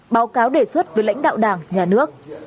báo cáo đề xuất với lãnh đạo đảng nhà nước